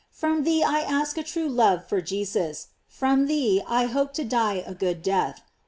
From theelask a true love for Jesus; from thee I hope to die a good death.